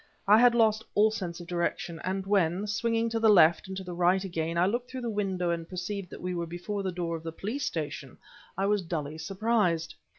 I had lost all sense of direction, and when, swinging to the left and to the right again, I looked through the window and perceived that we were before the door of the Police Station, I was dully surprised.